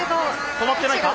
止まってないか。